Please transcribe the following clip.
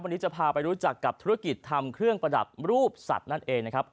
วันนี้จะพาไปรู้จักกับธุรกิจทำเครื่องประดับรูปสัตว์นั่นเองนะครับ